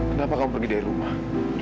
kenapa kamu pergi dari rumah